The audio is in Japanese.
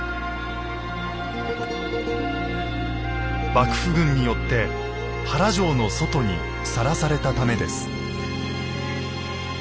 幕府軍によって原城の外にさらされたためです。